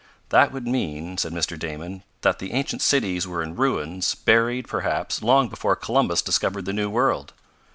"That would mean," said Mr. Damon, "that the ancient cities were in ruins, buried, perhaps, long before Columbus discovered the new world."